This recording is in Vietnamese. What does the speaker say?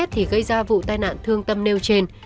thì gây ra vụ tai nạn thương tâm nêu trên